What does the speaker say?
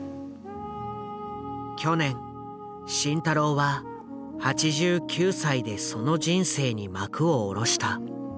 去年慎太郎は８９歳でその人生に幕を下ろした。